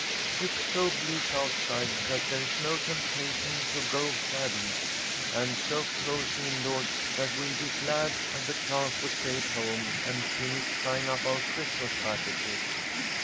"It's so bleak outside that there is no temptation to go gadding, and so cosy indoors that we'll be glad of the chance to stay at home and finish tying up our Christmas packages."